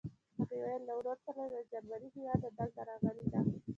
هغې ویل له ورور سره له جرمني هېواده دلته راغلې ده.